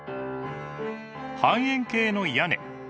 半円形の屋根。